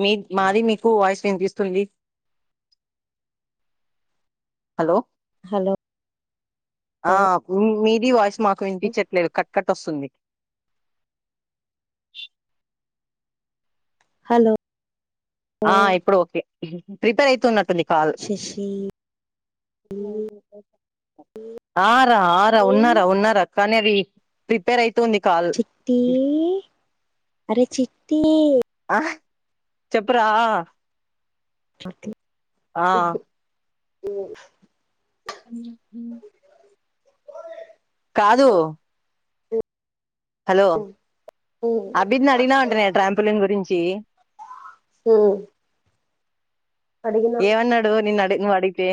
మీ మాది మీకు వాయిస్ వినిపిస్తుంది. హలో హలో ఆ మీది వాయిస్ మాకు ఇంన్పిచ్చట్లేదు కట్ కట్ వస్తుంది. హలో ఆ ఇప్పుడు ఓకే ప్రిపేర్ అయితున్నట్ ఉంది కాదు శశి ఆ రా ఆ రా ఉన్నరా ఉన్నరా కానీ అది ప్రిపేర్ అయి చిట్టీ అరె చిట్టీ ఆ చెప్పురా... ఆ [unintelligible] [inaudible] హ్ కాదూ హలో అబిద్నడిగినా అంటనే ట్రాంపులిన్ గురించి ఏమన్నాడు నిన్న అడిగి ను అడితే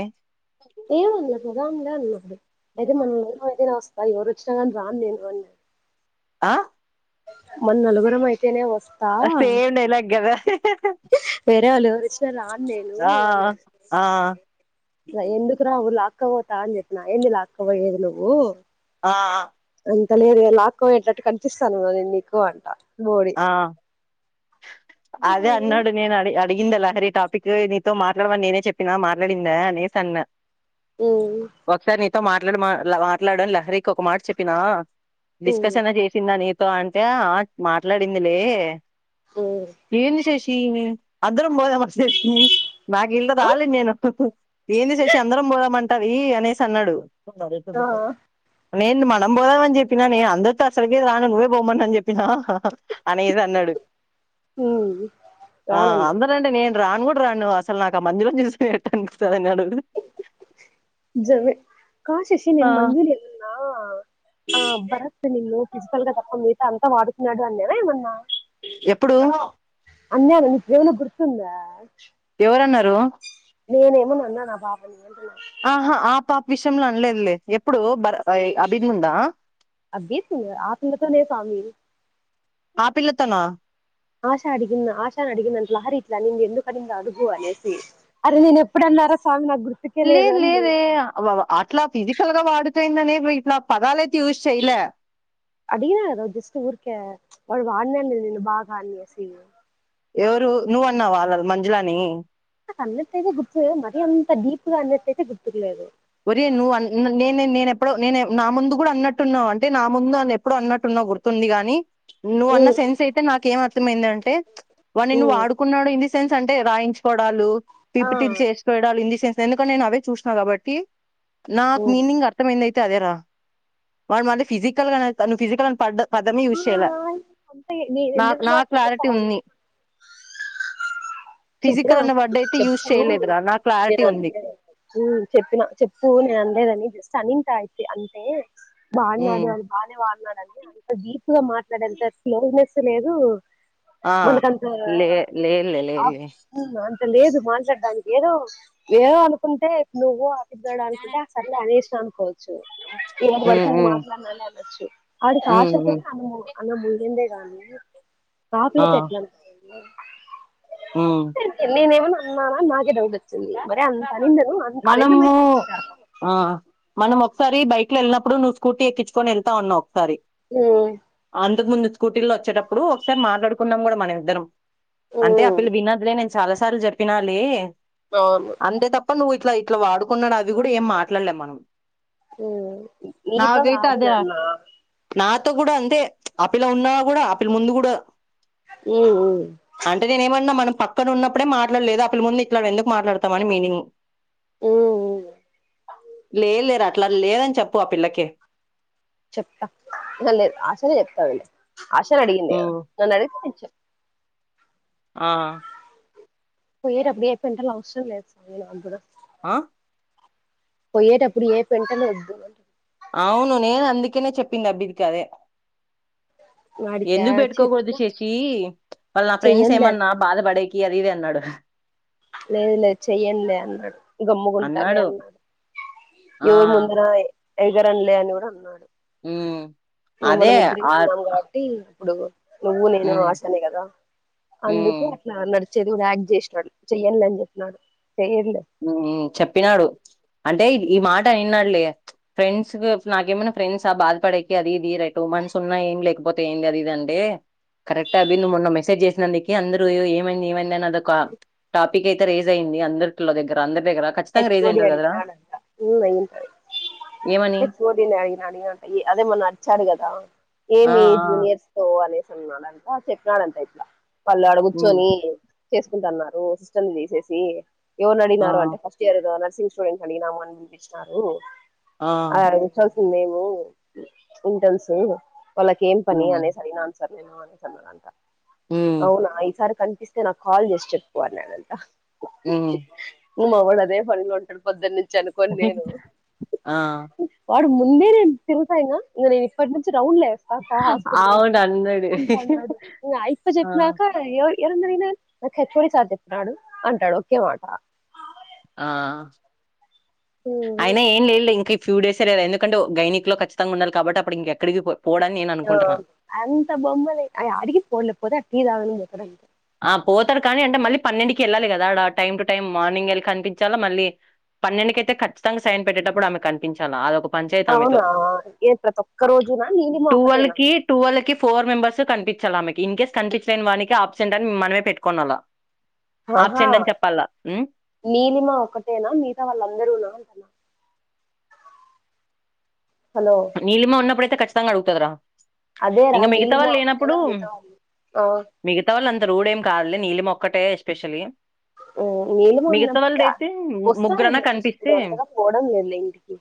ఏమంది చెప్ [unintelligible] అయితే మొన్నట్ వరకు మనకే లాస్ బాఎ వర్ వచ్చిన గానీ రాన్ నేన్ [inaudible] ఆ మన నలుగురమ్ అయితేనే వస్ అస్తే ఏం డైలాగ్ గదా వేరే వాళ్ళు ఎవరచ్చారా అని నేను ఆ ఆ ఎందుకు రావు లాక్కపోతా అని చెప్పిన ఏంది లేకపోయేది నువ్వూ ఆ ఇంత లేదు లాక్కోపోయేటట్టు కనిపిస్తాన్ననా నేను నీకు అంట మోడి ఆ అదే అన్నాడు నేన్ అడి అడిగింద లహరి టాపిక్ నీతో మాట్లాడమని నేనే చెప్పినా మాట్లాడిందా అనేస్ అన్న మ్మ్ ఒకసారి నీ తొ మాట్లాడి మాట్లాడని లహరికి ఒక మాట చెప్పినా ఉమ్ డిస్కషన్ చేసిందింద న అంతే ఆ మా మాట్లాడిందిలే ఉమ్ ఏంది శేష్ అందరం పోదాం చేసి నాకు ఇళ్ళ రాలేదు నేను ఏంది చేసి అందరం పోదామంటది అనేసి అన్నాడు కర ఆ దస నేను మనం పోదామ అని చెప్పినా నేను అందరితో అసలుగే రాను నువ్వే పోమన అని చెప్పిన అనేది అన్నడు ఉమ్ ఆ రానన్నాడు అందరండి నేను రాను గూడ రాను అసలు నాకు ఆ మధ్యలోంచి చూసు ఎట్టానికిస్తు అన్నాడు జమ కాశశి ఆ నిన్ మందులి ఎన్నా ఆ బరత్ నిన్న ఫిజికల్ గా తప్ప మిగత అంతా వాడుతున్నాడు అన్నేనా ఏమన్నా ఎప్పుడు అన్యాప్పు ఎవల పుడుచంద ఎవరన్నారు నేనేమోనన్నా నా బాబాని అ ఆహా ఆ పాప విషయంలో అనలేదులే ఎప్పుడు బ అభినందా అబ్బీ సింగ్ ఆత్మతనే స్వామిీ ఆపిల్ల తోనా ఆశా అడిగింద ఆశాని అడిగింద అంతలహరిట్లా ని ఎందుకడింద అడుగు అనేసి అరే నేను ఎప్పుడన్నారా స్వామి గుర్తుకే లేదు అని లేదే నేను అట్లా ఫిజికల్ గా వాడు దని నా ఇట్లా పదాలయత్ యూస్ చేయిలే అది ఏదో జస్ట్ ఊరిక వాడు వాడ్న్యాడు నిన్ను బాగా అనేసి న్న వాళ్ళ మంజలాని అన్నట్టయితే గుర్తే మరీ అంత డీప్గా అన్నట్టయితే గుర్తుకులేదు ఒరే నువ్వు నే నేనెప్పుడ నేను నా ముందు కూడా అన్నట్టున్నా్ అంటే నా ముందు ఎప్పుడ అన్నట్టున్నావు గుర్తుంది గాని నువ్వు అన్న ఉమ్, సెన్స్ అయితే నాకేం అర్థమైందం ఎ వాని నువ్వు ఉమ్, ఆడుకున్నాడు ఇ సెన్స్ అంటే రాయించ్కోడాలు ఆ పిపిటి చేస్డాలు ఇంది ఎందుకంటే నేను అవే చూశినా కాబట్టి నాకు మీనింగ్ అర్థమైందియితే తె అదేరా మ మ ఫిజికల్గా అను ఫిజికల్ అని పడ్డ పదం చూసెయిలా అంతే నేను నా ఎందుకు నా మాట్లాడ క్లారిటీ ఉంది చెప్పినా ఫిజికల్ అన్న వర్డ్ అయితే యూజ్ చెప్పా చేయలేదురా నా నే క్లారిటీ ఉంది చెప్పినా చె పూ నే అందేదనిస్తా నింతా యితే అంతే బాళనాడ ఉమ్, అ బానే వాళనా అంత జీప్ గా మాట్లాడ స స్లోనెస్ లేదు ఆ లే లే లే లేద ఆఫన్ లేదు మాట్లాడడానికి ఏదో ఏదో అనుకుంటే నువ్వు ఇద్దాడ అనుకుంటే అసర్లే అనేసిన అనుకోవచ్చు ఏ ఉమ్, పడుతుంది ఉమ్, మాట్లాడనాల అనొచ్చు వాడి ఉమ్, సావత ఉమ్. అ అలా ముగిందే గానీ ఆ కాపుల పెట్టల ఉమ్ నిన ఏంమోన నార నాకే డౌటోచి మరి అంత అనిందను అ అనింద మై మనము అ ఆ మనం ఒకసారి బైక్ లో వెళ్ళినప్పుడు నువ్వు స్కూటీ ఎక్కించుకొని వెళ్తా ఉన్నావు ఒకసారి మ్ అంతకు ముందు స్కూటీలో వచ్చేటప్పుడు ఒకసారి మాట్లాడుకున్నాం కూడా మన ఇద్దరం అంటే ఉమ్, ఆపిల్ల వినదులే నేను చాలా సార్లు జప్పినాలే అవును అంటే తప్ప నువు ఇట్లా ఇట్లా వాడుకున్నాడు అది కూడా ఏం మాట్లాడలే మనం మీతో నాకైతే కాదు అదే నన్నా నాతో కూడా అంతే ఆ పిల్ల ఉన్నా కూడా ఆ పిల్ల ముందు కూడ ఉమ్, ఉమ్, అంటే నేను ఏమన్నా మన పక్కన ఉన్నప్పుడే మాట్లాడలేదు అప్పుల ముందు ఇట్లాడ ఎందుకు మాట్లాడతామని మీనింగ్ ఉమ్, ఉమ్. లే లేరా అట్లా లేదని చెప్పు ఆ పిల్లకి చెప్తా అ ఆసలు చెప్తా అది లే ఆశా నీ అడిగింది ఉమ్ నన్ను అడిగితే నేను చెప్ ఆ పోయే ఏ [unintelligible] అవసరం లేదు స్వామి నాకు అ పోయేటప్పుడు ఏ పెంటలు వద్దు అవును నేను అందుకేనే చెప్పింది అబిదికదే వాడికా ఎందుకు పెట్టుకోకూడదు చెప్పిన శశి వాళ్ళ నా ఫ్రెండ్స్ చెయ్యనులే ఏమన్నా అన్నాడు బాధ పడేకి అది ఉన్నాడు లేదు లేదు చెయ్యనులే అన్నాడు గమ్ముగుంటాలే అన్నాడు ఆ ఎవరి ముందుర ఎదురంలే అని కూడా ఉన్నాడు ఉ అదే ఆ ప్పుడు నువ్వు నేను ఉమ్ ఆశానే కదా ఉమ్ అందుకు అట్లా నడుచ చదువదు ఆక్ట్ చేసినాడు చెయ్యండి అని చెప్పిన చెప్పినాడు అంటే ఈ మాట నిన్నాడలే ఫ్రెండ్స్ నాకేమైన్నా ఫ్రెంస్ ఆ బాధపడేకి అది ఇది రై టూ మంత్స్ ఉన్నా ఏమి లేకపోతే ఏంది అది ఇది అంటే కరెక్ట్ అ నువ్వు మొన్న మెసేజ్ చేసినందుకు అందరూ ఏమైంది ఏమైంది అని కా టాప్ పికయితే రేజ్ అయింది అంద పిల్ల దగ్గర అంద హెచ్ ఓడి అడిగినాడంట అంట ఏమని హెచ్ఓడిని అడిగినాడు అడిగాంట అదే మన నరిచారు కదా ఆ! ఆ! ఏమి జూనియర్స్ తో పోలీసు ఉన్నాడా అంటా చెప్పినాడంట ఇట్లా మళ్ళ హ్మ్. అడగుర్చొని చేసుకుంటున్నారు సిస్టర్ ని తీసేసి ఎవరు ఆ! అడిగినారు అంటే ఏదో నర్సింగ్ స్టూడెంట్ అడిగినము అని వినిపించినారు ఆ! అ మేము ఇంటలసు వాళ్ళకి ఏం పని అనే హ్మ్. సర సరేను అ చన్నద అంత హ్మ్. అవునా ఇసారి కనిపిస్తే నాకు కాల్ చేసి చెప్పు అన్నాడంట హమ్ ఉమా వాళ అదే పన్ లో ఉంటారు పొద్దునించి అనుకొని నేను ఆ! వాడు మో తిరుసాయినా ఇప్ప రౌండ్లేస్త హాస్పిటల్ అవును అన్నాడు. అంట అన్నాడు అయిప్ప ఆ! చెప్పినాక ఎవ ఎరందరనా నాకు హెచ్చుడి చధ చెప్న్నాడు అంటాడు ఒకే మాట ఆ ఉమ్, అయినా ఏం లేలే ఇంక [unintelligible] ఆ అంత బొమ్మలే అడికి పో లేకపోతే అ టీ రాధని చెప్పు రం ఆ పోతాడు కానీ అంటే మళ్ళీ పన్నెండుకి వెళ్ళాలి కదా అడ టైం టు టైం మార్నింగ్ వెళ్ళి కనిపించలా మళ్ళీ పన్నెండుకి అయితే ఖచ్చితంగా సైన్ పెట్టేటప్పుడు ఆమె కనిపించాలా అదొక పంచాయతీ ఆమెతో అవునా ఏ ప్రతి ఒక్క రోజునా నీలిమ టూవల్ ఒకటేనా కి టూవల్ కి ఫోర్ మెంబర్స్ కనిపి చలామకి ఇన్ కేస్ కన్పిచలేైన్ వనికిప్ ంట అ మ మనమే పెట్టుకోనాలా ఆహా నీలిమా ఒక్కటేనా మిగతా వాళ్ళ అందరూనా అంటన్నా హలో నీలిమ ఉన్నప్పుడు అయితే ఖచ్చి తంగా అడుగుతదిరా అదేరా ఇంగ మిగతా నీలిమ వాళ్ళు అపుతేనా లేనప్పుడు మిగితా వాళ్ళు అవు మిగతా వాళ్ళు అంత రూడ్ ఏం కాదులే నీలిమ ఒకటే ఎస్పెషల్లీ ఆ నీలుమ ఉన్నప్పుడుగా ము- ముగ్గురన్నా వస్తానండి ఇప్పుడు కనిపిస్తే అంతగా పోవడం లేదులే ఇంటికి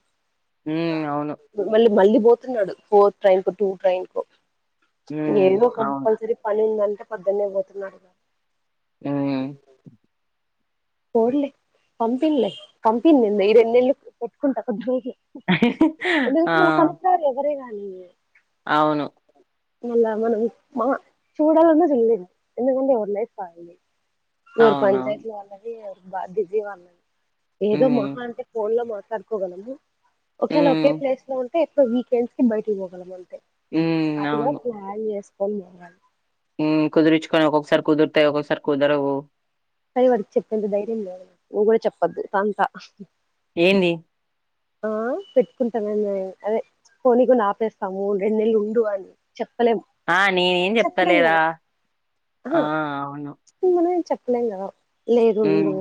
హ్మ్ అవును. మళ్ళీ మళ్ళీ పోతున్నాడు ఫోర్త్ ట్రైన్ కు టూ ట్రైన్ కు హ్మ్. ఏందో అవును. కంపల్సరి పని ఉంది అే పొద్దున్న పోతున్నాడుగా ఆ పోర్లే పంపిర్లే పంపిణి ఈ రెన్నేళ్లు కొట్టుకుంటారు దబి క్కి ఆ అ అవును మళ్ళా మనం మా చూడాలన్నా చూడలేము ఎందుకంటే ఎవరు లైఫ్ వాళ్ళది ఎవరి అవునవును. పంచాయతీ వాళ్ళది బిజివాన్నాడి ఏదో హ్మ్. మహా అంటే ఫోన్లో మాట్ కర్కోగలం ఓకేవేల ఒకఓకే హ్మ్. ప్లేస్ న ఇప్పుడు వీకెండ్స్ కి బయటకి పొగలం అంతే ఉ అది కూడా అవును ప్లాన్ [unintelligible] కుదిరుచ్చికొని ఒక్కొక్కసారి కుదురుతాయి ఒొక్కసారి కుదరవు సరి వాడికి చెప్పేంత ధైర్యం లేదు నువ్వు కూడా చెప్పొద్దు తంత ఏంది ఆ పెట్టుకుంటానని అదే కొని కొని ఆపేస్తాము రెండు నెలలు ఉండు అని చెప్పలేం ఆ నేనేం చెప్పలేం చెప్తలేదా కదా ఆ అవును ఇంగా లేదు ఉండు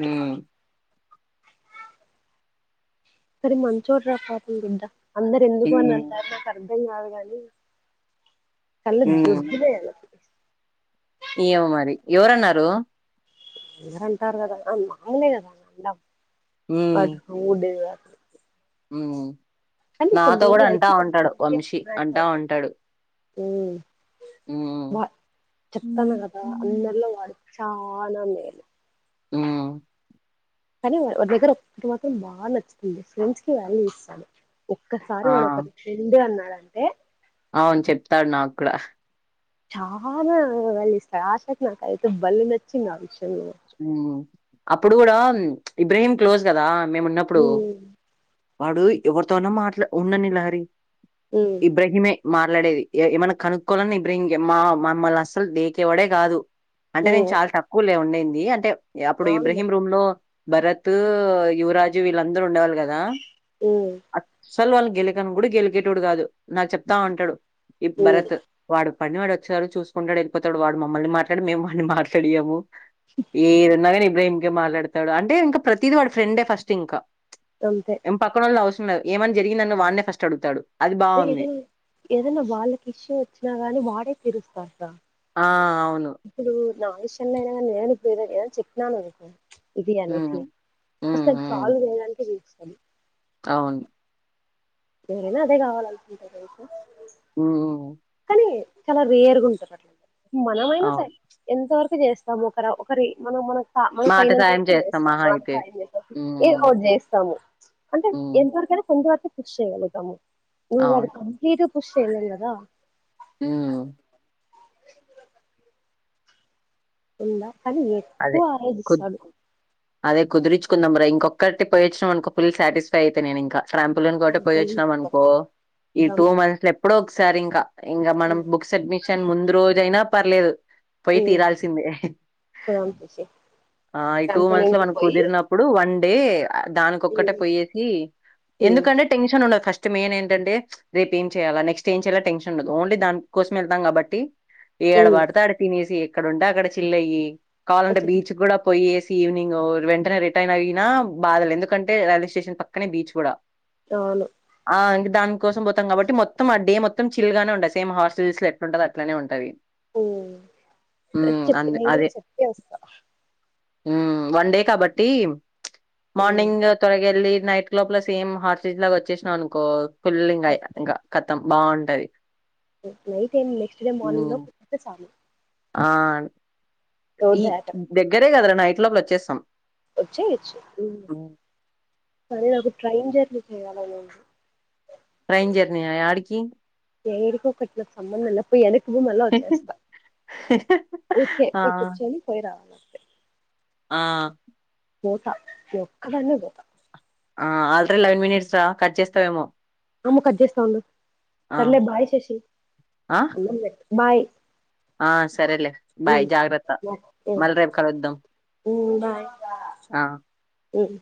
ఆ అరె మంచోడ్ర పాపం బిడ్డ అందరు ఎందుకు అని హ్మ్. అంటారు నాకు అర్ ప వాదు కానీ కల్ళ దుడ్దిద అలా ఏయవ మరి ఎవరన్నారు ఎరంటారు కదా మాముే కదా అంద అట్ ఊడే హు ము కానీ నాతో కొంతమంది కూడా అంటా వైట్స్ ఉంటాడు వంశీ అంటా ఉంటాడు హ ఉమ్ మా చెత్తన ఉమ్ కద అన్నెల వాడి చాలా మేలు ఉమ్ కానీ వారి దగ్గర ఒక్కటి మాత్రం బాగా నచ్చుతుంది ఫ్రెండ్స్ కి వాల్యూ ఇస్తాడు ఒక్కసారి ఆ వాడు పరిక్ష ఉండే అన్నా అంటే అవ్ ను చెప్తాడు నాక్కుడా చాలా వాల్యూ ఇస్తారు ఆశాకి నాకి అయితే భలే నచ్చింది ఆ విషయం ఉమ్ అప్పుడు కూడా ఇబ్రహీం క్లోజ్ కదా మేము ఉన్నప్పుడు ఉమ్ వాడు ఎవరితోన మాట్లా ఉండని లహరి ఉమ్ ఇబ్రాహిమే మాట్లాడేది ఏమన్నా కనుక్కోవాలని ఇబ్ర ఇం మా మమ్మల్ని అస్సలు లేేకేవాడే కాదు అంటే ఉమ్ నేను చాలా తక్కువలే ఉండేంది నీ అంటే అప్పుడు అవునులే ఇబ్రహీం రూమ్ లో భరత్ యువరాజు వీళ్ళందరూ ఉండవాల దా ఉమ్ అసలు వాళ్ళని గెలికను కూడా గెలికేటోడు కాదు నాకు చెప్తా ఉంటాడు ఈ ఉమ్ భరత్ వాడు పడిని వాడు వచ్చారుడు చూసుకుంటాడు వెళ్ళపోతడు వాడు మమ్మల్ని మాట్లాడు మేము వాడిని మాలాడియాము ఈ నాగ ఇం ఏం గేమ్ మాట్లాడతాడు అంటే ఇంకా ప్రతిదీ వాడి ఫ్రెండే ఫస్ట్ ఇంకా అంతే ఎం పకడో లోవుస ఏమని జరిగిందని వాడినే ఫస్ట్ అడుతాడు అదే ఏదనా ఏదైనా వాళ్ళకి ఇష్యూ వచ్చినా గానీ వాడే తీరుస్తారు త ఆ అవును నా ఆ విషన్ నేనే పోపోయి ఏద చెక్కాకు ఇది ఉమ్, అనేసి ఫ ఉమ్, చల్వ్ లేడాంటేదు అవున మీరైనా అదే కావాల అనుకుంటారుతే ఓ చాల వేర్గా ఉంటారు అట్లా మనమైనస్యి అవును ఎంతవర చేస్తాం ఒక ఒకరి మనం మన మనం మాట పైనంత సాయం వరకు చేస్తాం చేస్తాము మహా అయితే చేా ఏ ఉమ్, అట్ చేస్తాము అంటే ఉమ్, ఎంతవరకుైనా కొంతవరకు చేయగలుగుతాము [unintelligible] అవును క ఖుషి చేయలేం కద ఆ ఉంద అదే కు అదే కుదిరిచుకుందాంరా ఇంకొక్కరి పోయొచ్చా అనుకో ఫుల్ సాటిస్ఫై అయితే నేనుంకా శంపుల్ని ఒకటటి పోయి శాంపుల్ వచ్చినాం తీసుకోవడం అనుకో ఈ టూ బదంస్ మంత్స్ లో ఎప్పుడో సరే ఇక ఇంకా మనం బుక్స్ అడ్మిషన్ ముందు రోజ అయినా పర్లేదు పోయి ఉమ్ తీరాల్సిందే బదంస్ వచ్చి ఆ ఈ టూ మంత్స్ ట్రాంపోలిన్ లో కి మన పోయి కుదిరినప్పుడు వన్ అంటే దానికొక్కటే ఉమ్ పోయేసి ఉమ్ ఎందుకంటే టెన్షన్ ఉండదు ఫస్ట్ నెస్ట్ మెయిన్ ఏంటంటే రేపు ఏం చేయాల నెస్ట్ ఏం చేయాలా టెన్ండదు ఓన్లీ దనికోసం వెళ్తాం కాబట్టి ఏడ ఉమ్ పడితే ఆడ తినేసి ఇక్కడ ఉంట అక్కడ చిల్లయ్య కావాలంటే వచ్చే బీచ్ కూడా పోయే ఈవినింగ్ వెంటనే రిటైర్న్ అయినా బాధలు ఎందుకంటే రైల్వే స్టేషన్ పక్కనే బీచ్ కూడా అవును దానికోసం పోతం కాబట్టి మొత్తం ఆ డే మొత్తం చిల్ గానే ఉంటంది సేమ్ హాస్టల్స్ లో ఎట్లు ఉంటో అట్లానే ఉంటుంది ఉమ్ చెప్పి అందు నేను అదే. కూడా చెప్పి వస్తాను కష్ హ్మ్ వన్ డే కబడ్టి ప్చ్ ఉమ్ మార్నింగ్ త్వరగలి నైట్ క్లబ్ లస్ ఏం హాట్ సీజ్ లాగా వచ్చేసావు అనుకో కూలింగ్ కాయ సరే సరే. ఇంకా తమం బాగుంటది నైట్ ఏం నెక్స్ట్ డే మార్నింగ్ హ్మ్. లో కుతే చాలు ఆ రోడ్ ఈ దాకా దగ్గరే కదార నైట్ ఎట్ లోబు వచ్చేస్తాం వచ్చేయచ్చు హ్మ్. కానీ నాకు ట్రైన్ జర్నీ చేయాలనుంది ఉమ్ ఏడికోకట్ల సంబంధాల పోయి అ భూ మళ్ళ వచ్చేస్తా ఊకే ఆ కూర్చొని పోయి రావాలి ఆ పోతా ఒక్కదన్నే పోతా ఆ ఆల్రెడీ లెవెన్ మినిట్స్ రా కట్ చేస్తావేమో అమ్మో కట్ చేస్తా ఉండు ఆ సర్లే బాయ్ శేషి ఆ బాయ్ ఆ సరేలే బాయ్ ఉమ్ జాగ్రత్త బాయ్ మల రేపు కాలద్ద్దం ఉమ్ బాయ్ ఆ ఉమ్